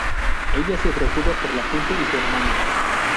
Ella se preocupa por la gente y su hermana.